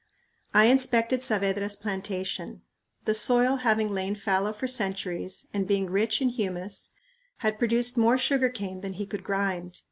I inspected Saavedra's plantation. The soil having lain fallow for centuries, and being rich in humus, had produced more sugar cane than he could grind.